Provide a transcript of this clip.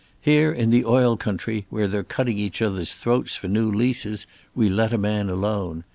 Here in the oil country, where they're cutting each other's throats for new leases, we let a man alone.